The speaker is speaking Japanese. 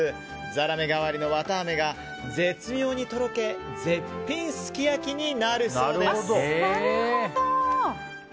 ザラメ代わりのわたあめが絶妙にとろけ絶品すき焼きになるそうです。